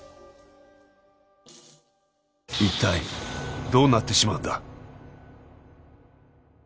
一体どうなってしまうんだ？